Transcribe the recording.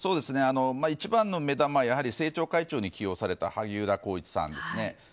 一番の目玉は政調会長に起用された萩生田光一さんですね。